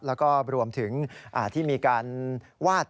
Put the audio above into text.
แล้วก็รวมถึงที่มีการวาด